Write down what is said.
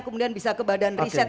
kemudian bisa ke badan riset